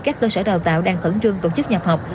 các cơ sở đào tạo đang thẩn trương tổ chức nhập học